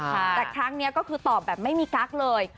แต่ครั้งนี้ก็คือตอบแบบไม่มีกั๊กเลย